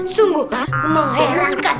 sungguh mau herankan